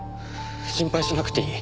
心配しなくていい。